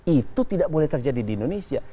itu tidak boleh terjadi di indonesia